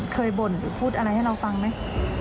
บ่นหรือพูดอะไรให้เราฟังไหม